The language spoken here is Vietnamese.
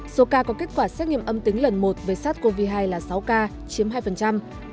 số ca có kết quả xét nghiệm âm tính lần một với sát covid một mươi chín là sáu ca chiếm hai